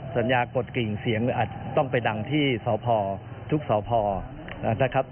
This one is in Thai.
สัญญากดกลิ่งเสียงอาจจะต้องไปดังที่สพทุกสพนะครับ